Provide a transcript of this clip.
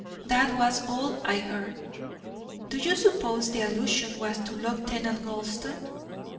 That was all I heard." "Do you suppose the allusion was to Lieutenant Gulston?"